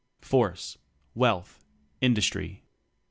Force, Wealth, Industry.